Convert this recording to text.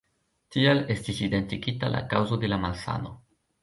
Tiel estis identigita la kaŭzo de la malsano.